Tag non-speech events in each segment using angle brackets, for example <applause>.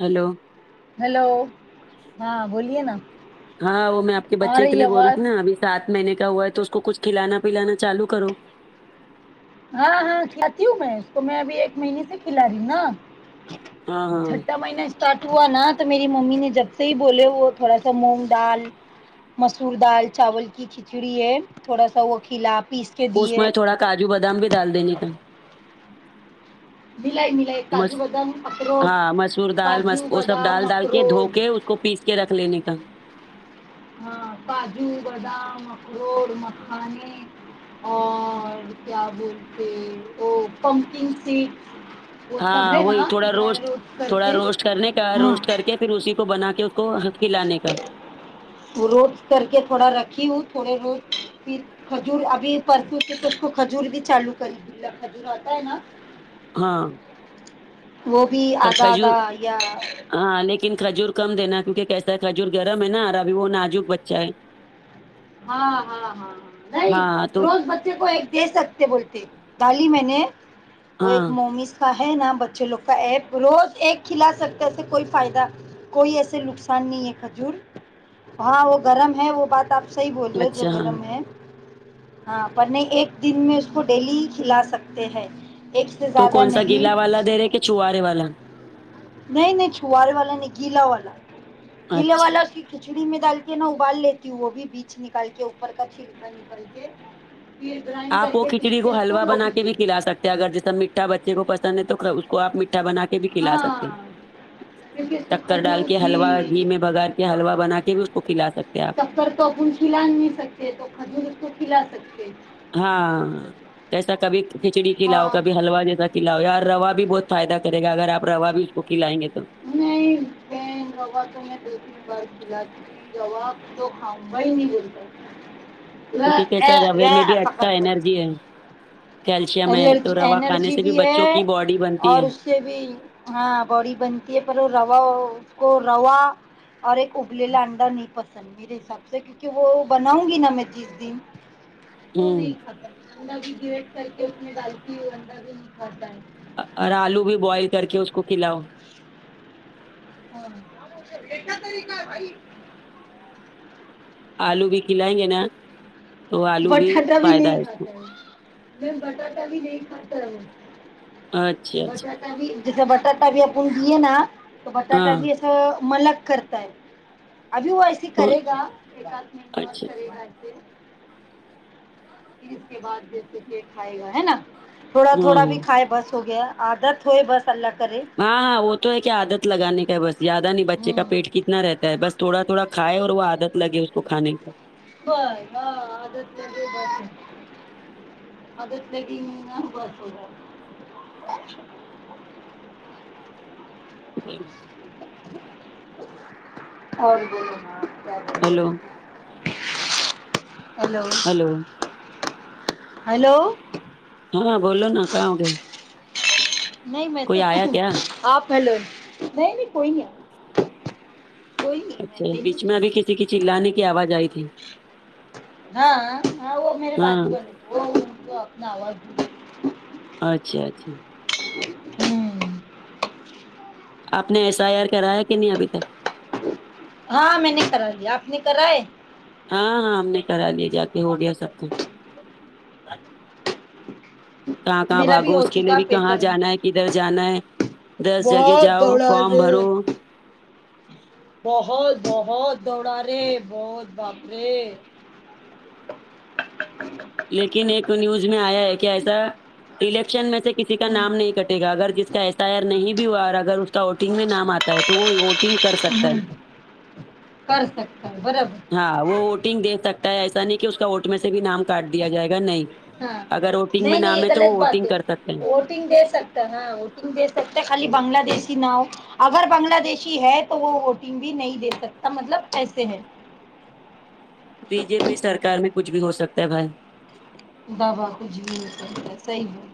hello hello ہاں بولیے نا ہاں وہ میں آپ کے آ بچے کے لیے بول رہی آواز تھی نا ابھی سات مہینے کا ہوا ہے تو اس کو کچھ کھلانا پلانا چالو کرو ہاں ہاں کھلاتی ہوں میں اس تو میں ابھی ایک مہینے سے کھلا رہی ہوں نا ہاں ہاں چھٹا مہین اسارٹ ہوا نا تو میری ممی نے جب سے ہی بولے وہ تھوڑا سا مونگ ڈال مسور دال چاول کی کھچڑی ہے تھوڑا سا وہ کھیلا پیس کے اس دیے میں تھوڑا کاجو بادام بھی ڈال دیں نے کا ملائی ملائی مس کاجو بادام اخروٹ ہاں مسور دال مس کاجو وہ سب بادام ڈال ڈال کے دھو کے اخروٹ کے اس کو پیس کے رکھ لینے کا ہاں کاجو بادام اخروٹ مکھان اور کیا بولتے وہ پمپنگ سیٹ ہاں وہی تھوڑا روسٹ تھوڑا کے روسٹ کرنے کا ہاں روسٹ کر کے پھر اسی کو بنا کے اس کو کھلانے کا روز کر کے تھوڑا رکھی ہووں تھوڑے بہت پیس کھجور ابھی پرسوں سے تو اس کو کھجور بھی چالو کری کھجور کھاتا ہے نا ہاں وہ بھی پر ادھا کھجور ادھا یا ہاں لیکن کھجور کم دینا کیونکہ کیسا ہے کھجور گرم ہے نا ابھی وہ ناازک بچہ ہے ہاں ہاں ہاں نہیں ہاں تو روز بچے کو ایک دے سکتے کے بولتے دالی میں نے وہ ہاں ایک ممی سے کا ہے نا بچے لوگ کا ایپ روز ایک کھلا سکتے اسے کوئی فائدہ کوئی ایسے نقصان نہیں ہے کھجور ہاں وہ گرم ہے وہ بات آپ صحیح بول رہے جو اچھا ہاں گرم ہے ہاں پر نہیں ایک دن میں اس کو ڈیلی کھلا سکتے ہیں ایک سے تو زیادہ کون سا نہیں گیلا والا دے رہے کہ چوہارے والا نہیں نہیں چوہرے والا نہیں گیلا والا گیلے اچھا والا اس کھچڑی میں ڈال کے نا ابال لیتی ہوں وہ بھی بیچ نکال کے اوپر کا چھلکا نکل کے پھر گرینڈ آپ کر وہ کے کھچڑی پیز کے اس کو حلوا وہ بنا بھ کے دے بھی دی کھلا سکتے اگر جیسا مٹھا بچے کو پسند ہے تو اس کو آپ میٹھا بنا کے بھی کھلا سکتے ہاں ہیں کیونکہ اس کو ٹکر ڈال کھجور کے حلوا گھی میں بگاار کے حلوا بنا کے بھی اس کو کھلا سکتے آپ شکر تو اپ کھلا نہیں سکتے تو کھجور اس کو کھلا سکتے ہاں جیسا کبھی کھچڑی کلااؤ ہاں کبھی حلوا جیسا کھلاؤ اور روا بھی بہت فائدہ کرے گا اگرپ روا بھی اس کو کھلائیں گے تو نہیں نہی رواتوں میں بالل بار کھلا کی روا تو کھاؤں گا ہی نہیں بولتا وہ یک ہے کیسے اے- روے وہ میں بھی ایسا اچھا کرتے انرجی ہیں ہے کیلشیم ہے تو الرجی روا کھانے انرجی سے بھی بچوں ہے کی باڈی بنتی اور ہے اس سے بھی ہاں باڑی بنتی ہے پر وہ روا اس کو روا اور ایک ابللا انڈا نہیں پسند میرے حساب سے کیونکہ وہ بناؤں گی نا میں جس دن تو ہوں نہیں کھاتا انا بھی گرٹ کر کے اپنے بالک انڈا بھی نہیں کھاتا ہے اور آلو بھی بوائل کر کے اس کو کھلاؤ یہ کیا طریقہ ہے بھائی آلو بھی کھلائیں گے نا تو آلو ب ٹھڈا بھی فائدہ نہیں اس کو کھاتا ہے نہی بٹاٹا بھی نہیں کھاتا وہ اچھا اچھا بٹاٹا بھی جسا بٹاٹا بھی اپ گئے نا تو بٹاٹا ہاں بھی اس ملک کرتا ہے ابھی وہ ایسے کون کرے گا ایک آھ مہینے اور اچھا کرے گا ایسے پ اس کے بعد جیسے کہ کھائے گا ہے نا تھوڑا ہاں تھوڑا ہاں بھی کھائے بس ہو گیا عادت ہوئے بس اللہ کرے ہاں ہاں وہ تو ہے کیا آدت لگانے کا ہے بس یادہ نہیں بچے ہوں کا پیٹ کتنا رہتا ہے بس تھوڑا تھوڑا کھائے اور وہ آدت لگے اس کو کھان کا ہ ہاں آ مے بس <inaudible> عادت لگی نہیں نہ ببس ہوگیا جی اور بولو کیا بولے ہیلو ہیلو ہیلو ہیلو ہاں بولو نا کہاں ہو گئے نہیں میں تو کوئی آیا کیا آپ ہیلو نہیں نہیں کوئی نہیں کوئی نہیں میں اچھا اکیلی بیچ تھی، میں ابھی کسی کی چلانے کی آواز آئی تھی ہاں ہاں وہ میرے ہاں بجو والے تھ وہ اپنا آواز اچھا اچھا ج آپ نے ایس آئی آر کرایا کہ نہیں ابھی تک ہاں میں نے کرا دیا آپ نے کرائے ہاں ہاں ہم نے کرا لیا جا کے ہو گیا سب کچھ کہاں کہاں میرا بھی بھاگو ہو اس کے لیے چکا بھی کہاں پیپر میں، جانا ہے کدھر جانا ہے دس جگہ بہت جاؤ دوڑا فارم رے بھرو بہت بہت دوڑا رے بہت باپ رے لیکن ایک نیوز میں آیا ہے کہ ایسا الیکشن میں سے کسی کا ہوں نام نہیں کٹے گا اگر جس کا ایس آئی آر نہیں بھی ہوا اگر اس کا ووٹنگ میں نام آتا ہے تو وہ ووٹنگ کر سکتا ہوں ہے کر سکتا ہے برابر ہاں وہ ووٹنگ دے سکتا ہے ایسا نہیں کہ اس کا ووٹ میں سے بھی نام کاٹ دیا جائے گا نہیں ہاں اگر ووٹنگ میں نام ہے تو وہ ووٹنگ کر سکتے ہیں وٹنگ دے سکتے ہے ووٹنگ دے سکتے خالی بنگلہ دیشی نا ہو اگر بنگلہ دیشی ہے تو وہ ووٹنگ بھی نہیں دے سکتا مطلب ایسے ہے بی جے پی سرکار میں کچھ بھی ہو سکتا ہے بھائی با با کچھ بھی ہوسکتا ہے صحیح بولا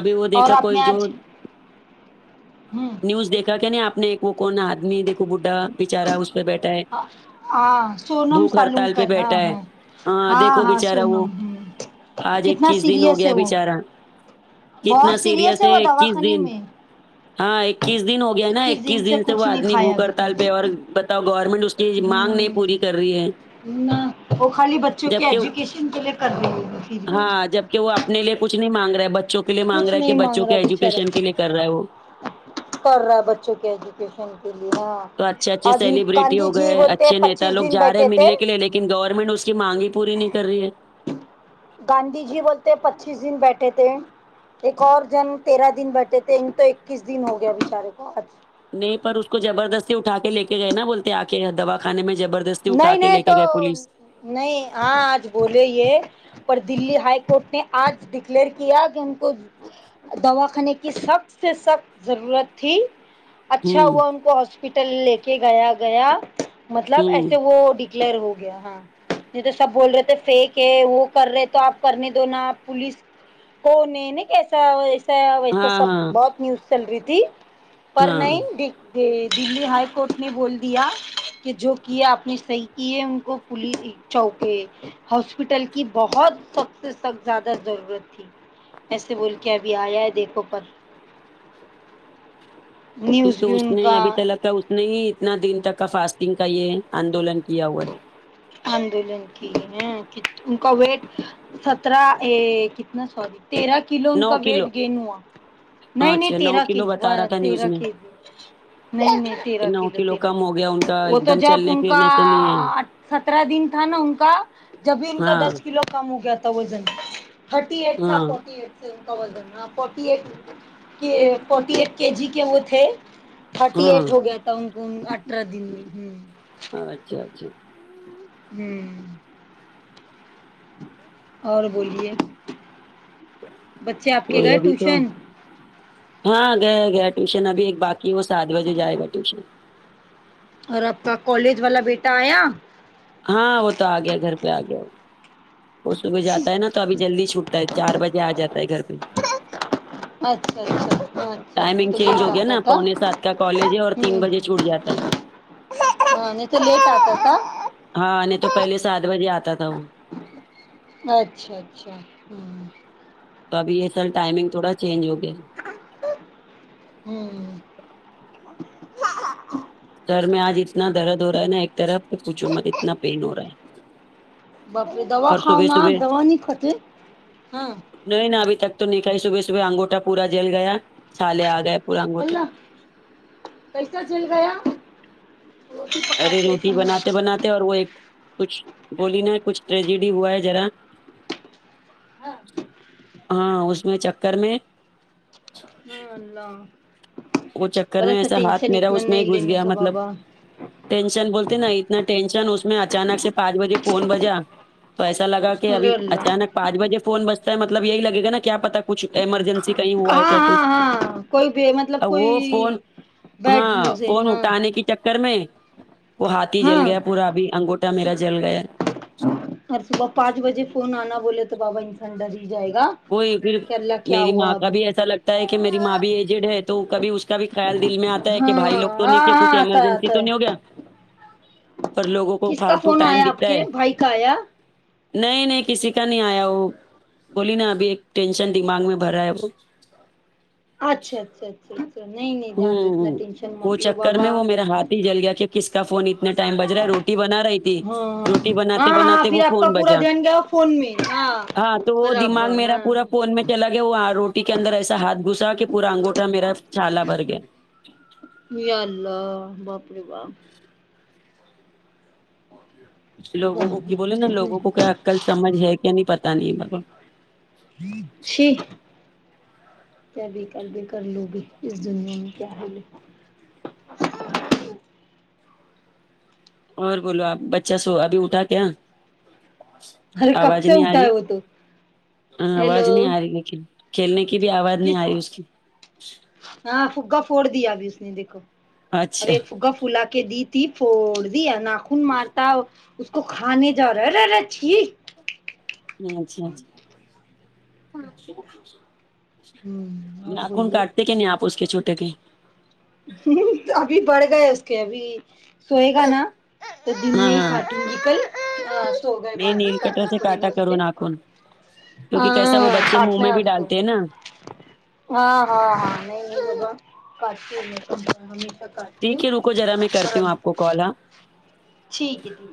ابھی وہ اور دیکھا آپ نے کوئی جو آج ہمم نیوز دیکھا کہ نہیں آپ نے ایک وہ کون آدمی دیکھو بڈھا بچارا اس پے بیٹھا ہے ہاں سونم بھوک ہڑتال پے سالونکر ہاں بیٹھا ہے ہاں ہاں دیکھو ہاں بیچارا وہ سونم ہ آج کتنا اکیس دن ہو سیریس گیا ہے وہ بیچارا کتنا بہت سیریس سیریئس وہ ہے اکیس دواخانے دن میں ہاں اکیس دن ہو گیا نا اکیس دن سے وہ کچھ نہیں آدمی کھایا بوک ابھی ہڑتال تک پے اور بتاؤ گورنمنٹ اس کی ہ مانگ نہیں پوری کر رہی ہے نہ وہ خالی بچوں کے جبکہ ایجوکیشن کے لیے کر رہی ہے <unintelligible> کے وہ اپنے لیے کچھ نہیں مانگ رہا ہے بچوں کے لیے مانگ کچھ رہا ہے کے نہیں مانگ بچوں رہا کے ایجوکیشن بچارا کے لیے کر رہا ہے وہ کر رہا ہے بچوں کے ایجوکیشن کے لیے ہاں تو اچھے اچھے آج سیلیبرٹی گاندھی ہو جی گئے بولتے اچھے نیتا پچیس لوگ دن جارے بیٹھے تھے ملنے کے لیے لیکن گورنمنٹ اس کی مانگ ہی پوری نہیں کر رہی ہے گاندھی جی بولتے پچیس دن بیٹھے تھے ایک اور جن تیرہ دن بیٹھے تھے ان تو اکیس دن ہو گیا بیچارے کو آج نہیں پر اس کو جبردستی اٹھا کے لے کے گئے نا بولتے آ کے دوا کھانے میں جبردست نہیں نہیں تو نہیں آج بولے یہ پر دلی ہائی کورٹ نے آج ڈکلیئر کیا کی ان کو دوا خانے کی سخت سے سخت ضرورت تھی اچھا ہوں ہوا ان کو ہاسپٹل لے کے گیا گیا مطلب ایس ہوں وہ ڈکلیئر ہو گیا ہاں نہیں تو سب بول رہے تھے فیک ہے وہ کر رہے تو آپ کرنے دو نا پولیس تو انہوں نے کیسا ویسے ہاں سب ہاں بہت نیوز چل رہی تھی پر ہاں نہیں یہ دلی ہائی کورٹ نے بول دیا کی جو کیا صحیح کی ہے ان کو پولیس چوکے ہاسپٹل کی بہت سخت سے سخت زیادہ ضرورت تھی ایسے بول کے ابھی آیا ہے دیکھو پر کی نیوز تو بھی اس ان نے کا ابھی تلک تو لگتا اس نے ہی اتنا دن تک کا فاسٹنگ کا یے آندولن کیا ہوا ہے آندولن کیے ہے ان کا ویٹ سترہ اے کتنا سوری تیرہ کلو ان نو کا کلو ویٹ گین ہوا نہیں نہیں اچھا نو تیرہ کی کلو وا بتا رہا تھا نیوز تیرہ میں کی نہیں نہیں کہ تیرا نو کلو تیرا کم ہو گیا ان کلو کا وہ ایک تو دم جب چلنے ان کا پھرنے سے نہیں ہے آ سترہ دن تھا نا ان کا جب بھی ان کا ہاں دس کلو کم ہو گیا تھا وزن تھرٹی ایٹ تھا ہاں فورٹی ایٹ ان کا وزن نہ فورٹی ایٹ کے فورٹی ایٹ کے جی کے وہ تھے تھرٹی ایٹ ہاں ہو گیا تھا ان کو امم اٹھارہ دن میں امم آچھا اچھا آمم اور بولیے بچے آپ تو کے گئے ابھی تو ٹیوشن ہاں گئے گئے ٹیوشن ابھی ایک بات کی وہ سات بجے جائے گا ٹیوشن اور آپ کا کالج والا بیٹا آیا ہاں وہ تو آ گیا گھر پہ آ گیا وہ وہ صبح جاتا ہے اچھا نا تو ابھی جلدی چھوٹتا ہے چار بجے آ جاتا ہے گھر پے اچھا اچھا نہیں ٹائمنگ تو چینج ہو لیٹ گیا آتا نا تھا پونے سات کا کالج ہے اور تین ہ بجے چھوٹ جاتا ہے ہاں نہیں تو لیٹ آتا تھا ہاں نہیں تو پہلے سات بجے آتا تھا وہ اچھا اچھا تو ابھی یہ اصل ٹائمنگ تھوڑا چینج ہو گیا امم سر میں آج اتنا درد ہو رہا ہے نا ایک طرف پوچھو مت اتنا پین ہو رہا ہے باپ رے دوا اور کھاؤ صبح نہ آپ صبح دوا نہیں کھاتی نے نہیں نا ابھی تک تو نہیں کھاںی صبح صبح انگوٹھا پورا جل گیا چھالے آگئے پورا انگوٹے کیسا جل گیا ارے روٹی بناتے بناتے اور وہ ایک کچھ بولی نا کچھ ٹریجڈی ہوا ہے ذرا ہاں اس میں چکر میں ہایے اللہ وہ چکر میں ایسا ہاتھ میرا اس میں ہی گھس گیا مطلب ٹینشن بولتے نا اتنا ٹینشن اس میں اچانک سے پانچ بجے فون بجا پیسہ لگا کہ ابھی اچانک پانچ بجے فون بچتا ہے مطلب یہی لگے گا نا کیا پتا کچھ ایمرجنسی کہیں ہوا ہے کیا کچھ کوئی بہ مت آ وہ فون ہاں نیوز ہے فون ہاں اٹھانے کی چکر کر میں وہ ہاتھی جل ہاں گیا پورا ابھی انگوٹا میرا جل گیا اور صبح پانچ بجے فون آنا بولے تو بابا انسان ڈر ہی جائے گا وہی پھر کہ اللہ کیا میری ماں ہوا کا اب بھی ایسا لگتا ہے کہ میری ماں بھی ایجڈ ہے تو کبھی اس اس کا بھی خیال دل میں آتا ہے کہ ہاں بھائی لوگ ہاں تو نہیں کہ کچھ ہاں آتا ہے ایمرجنسی آتا تو ہے نہیں ہو گیا اور لوگوں کو کس کا فالتو فون ٹائم آیا آپ دیتا ہے کے بھائی کا آیا نہیں نہیں کسی کا نہیں ایا وہ بولی نا ابھی ایک ٹینشن دماغ میں بھر رہا ہے وہ اچھا اچھا اچھا نہیں نہیں جان دو اتنا ہم ٹینشن وہ مت لو چکر بابا میں وہ میرا ہاتھ ہی جل گیا کہ کس کا فون اتنا ٹائم بج رہا ہے روٹی روٹی بنا رہی تھی ہاں ہاں روٹی بناتے ہاں ہاں بناتے پھر وہ آپ کا فون پورا بجا دھیان گیا فون میں ہاں تو وہ دماغ برابر میرا ہاں پورا ہاں فون میں چلاگے وہ روٹی کے اندر ایسا ہاتھ گھسا کہ پورا انگوٹھا میرا چھال بھر گیا یہ اللہ باپ رے باپ لوگوں باپ کو کی بولے نالوگوں کو کیا کل سمجھ ہے کیا نہیں پتا نہیں مل چھیک کیا بےیکار کے لوگے اس دنیا میں کیا ہے لکھا اور بولو اپ بچہ سو ابھی اٹھا کیا ارے کب اواز سے نہیں اٹھا رہی ہے وہ تو اواز ہیلو نہیں رہی لیکن کھیلنے کی بھی اواز نہیں ا کس رہی اس کی ہاں فگا پھوڑ دیا ابھی اس نے دیکھو اچھا ابھی ایک فگا پھولا دی تھی فھودی ناخن مارتا اس کو کھانے جاؤ رہا ارے رچھی اچھا اور ناخن بولیے کاٹتے کہ نہیں اپ اس کے چھوٹے کے ہم ابھی بڑھ گئے اس کے ابھی سوئے گانا تو ہاں دن ہاں کارٹون کل سو گئے نہیں باتھ ہی نیل کٹر کرنا سے پیرے گا کاٹا اس کرو کے ناخن کیونکہ کیسا ہاں وہ بچے منہ کاٹنے میں بھی اج کو ڈالتے ہیں نا ہاں ہاں ہاں نہیں کاٹتی ہمیشہ <unintelligible> کر ٹھیک ہے رکو ذرا میں کرتی ہوں اپ کو کال ہاں ٹھیک ہے